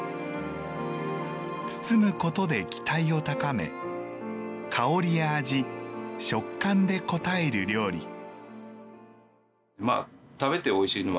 包むことで期待を高め香りや味、食感で応える料理。